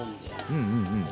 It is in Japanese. うんうんうん。